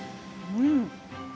うん。